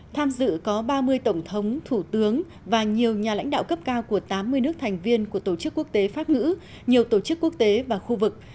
tham dự có ba mươi tổng thống thủ tướng và nhiều nhà lãnh đạo cấp cao của tám mươi nước thành viên của tổ chức quốc tế pháp ngữ nhiều tổ chức quốc tế và khu vực